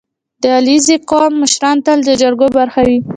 • د علیزي قوم مشران تل د جرګو برخه وي.